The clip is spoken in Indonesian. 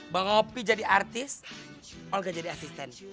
bang opi jadi artis olga jadi asisten